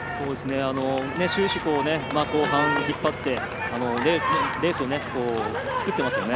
終始、後半引っ張ってレースを作っていますよね。